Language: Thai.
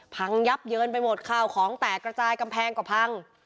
พังยับเยินไปหมดข้าวของแตกกระจายกำแพงก็พัง